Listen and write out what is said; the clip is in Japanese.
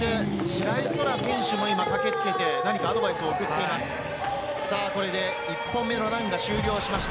白井空良選手も駆けつけて何かアドバイスを送っています。